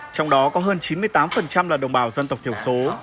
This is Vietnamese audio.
trong đó có hơn chín mươi tám là đồng bào dân tộc thiểu số